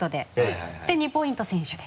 ２ポイント先取で。